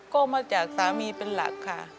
ก็มาจากสามีเป็นหลักค่ะ